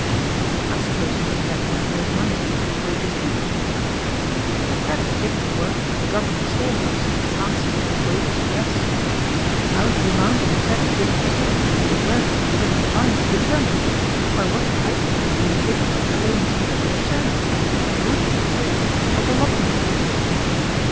"I suppose you mean that you have no money to pay wages in," said I. "But the credit given the worker at the government storehouse answers to his wages with us. How is the amount of the credit given respectively to the workers in different lines determined? By what title does the individual claim his particular share? What is the basis of allotment?"